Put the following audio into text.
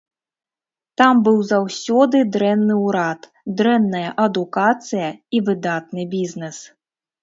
Там быў заўсёды дрэнны ўрад, дрэнная адукацыя і выдатны бізнэс.